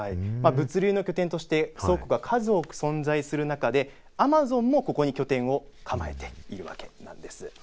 物流の拠点として倉庫が数多く存在する中でアマゾンもここに拠点を構えているわけなんです。